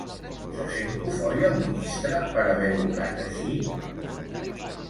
Se sent cofoi el ministre per haver obrat així?